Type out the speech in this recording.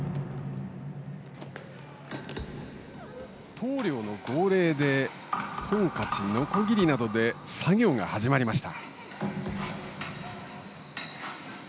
棟梁の号令でトンカチ、ノコギリなどで作業が始まりました。